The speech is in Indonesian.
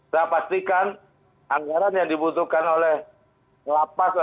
saya pastikan anggaran yang dibutuhkan oleh lapas atau kum ham